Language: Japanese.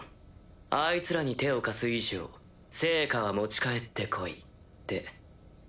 「あいつらに手を貸す以上成果は持ち帰って来い」って。